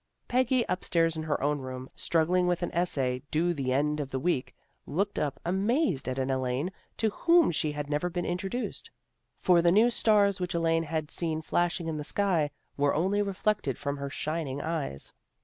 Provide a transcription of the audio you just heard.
Peggy, upstairs in her own room, struggling AN UNEXPECTED VISITOR 345 with an essay due the end of the week, looked up Amazed at an Elaine to whom she had never been introduced. For the new stars which Elaine had seen flashing in the sky, were only reflected from her shining eyes.